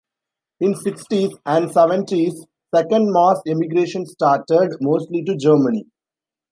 In sixties an seventies, second mass emigration started, mostly to Germany.